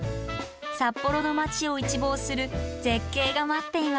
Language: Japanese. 札幌の街を一望する絶景が待っています。